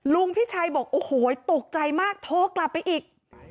พี่ชัยบอกโอ้โหตกใจมากโทรกลับไปอีก